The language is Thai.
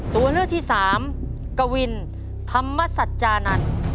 ตัวเลือกที่สามกวินธรรมสัจจานันทร์